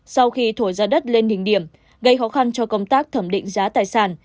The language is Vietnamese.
sau khi thổi giá đất lên hình điểm gây khó khăn cho công tác thẩm định giá tài sản